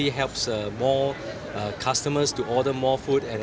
dengan aplikasi ini kita membantu lebih banyak pelanggan untuk membeli lebih banyak makanan di tengah